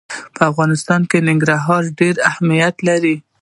په افغانستان کې ننګرهار ډېر اهمیت لري.